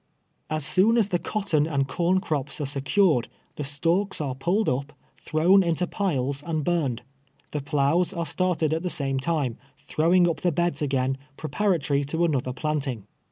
As soon as the cotton and corn crops are secured, the stalks are pulled up, thrown into piles and burned. Tlie ploughs are started at the same time, throwing up the beds again, preparatory to another planting.